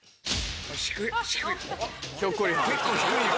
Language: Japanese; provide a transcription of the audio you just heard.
・低い・・結構低いよ・